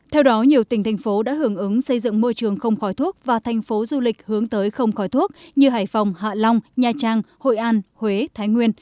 theo đó nhiều tỉnh thành phố đã hưởng ứng xây dựng môi trường không khói thuốc và thành phố du lịch hướng tới không khói thuốc như hải phòng hạ long nha trang hội an huế thái nguyên